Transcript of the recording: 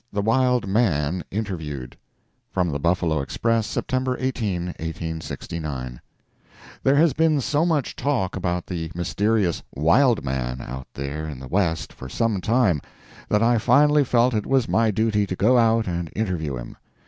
THE WILD MAN INTERVIEWED [From the Buffalo Express, September 18, 1869.] There has been so much talk about the mysterious "wild man" out there in the West for some time, that I finally felt it was my duty to go out and interview him.